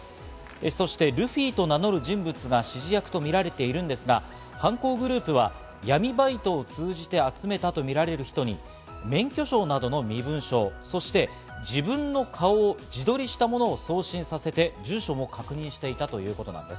そして、ルフィと名乗る人物が指示役とみられているんですが、犯行グループは闇バイトを通じて集めたとみられる人に免許証などの身分証、そして自分の顔を自撮りしたものを送信させて、住所も確認していたということなんです。